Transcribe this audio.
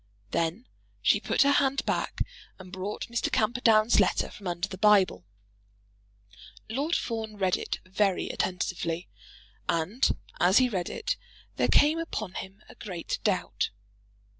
Then she put her hand back and brought Mr. Camperdown's letter from under the Bible. Lord Fawn read it very attentively, and as he read it there came upon him a great doubt.